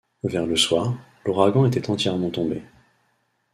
Vers le soir, l’ouragan était entièrement tombé.